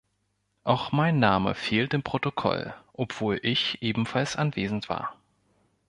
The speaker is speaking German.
Auch mein Name fehlt im Protokoll, obwohl ich ebenfalls anwesend war.